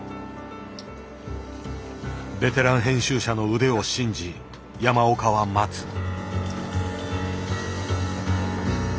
ベテラン編集者の腕を信じ山岡は待つ。